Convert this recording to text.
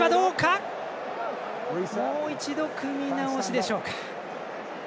もう一度組み直しでしょうか。